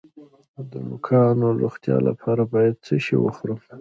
د نوکانو د روغتیا لپاره باید څه شی وخورم؟